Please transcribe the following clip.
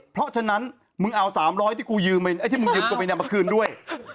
เพราะฉะนั้นมึงเอา๓๐๐ที่มึงยืมไปมาคืนด้วย